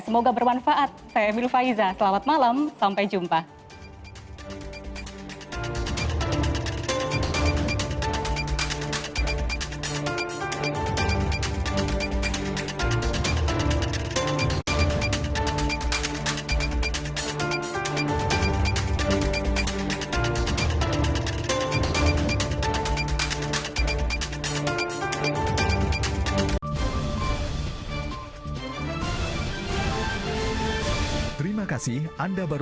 semoga bermanfaat saya emil faiza selamat malam sampai jumpa